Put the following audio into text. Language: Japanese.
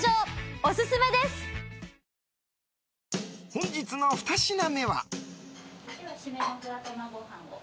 本日のふた品目は。